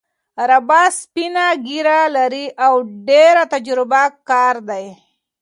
رابعه سپینه ږیره لري او ډېره تجربه کاره ده.